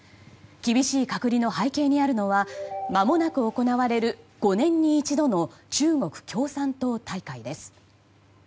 厳しい隔離の背景にあるのはまもなく行われる５年に一度の中国共産党大会です。